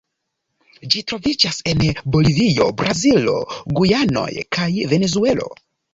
Ĝi troviĝas en Bolivio, Brazilo, Gujanoj kaj Venezuelo.